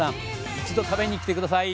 一度食べに来て下さい！